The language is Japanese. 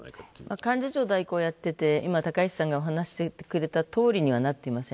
幹事長代行をやっていて、高市さんがお話してくれたとおりにはなっていません。